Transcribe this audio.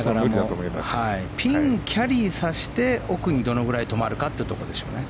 ピン、キャリーさせて奥にどのぐらい止まるかというところでしょうね。